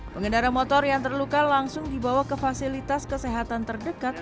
pengendara motor yang terluka langsung dibawa ke fasilitas kesehatan terdekat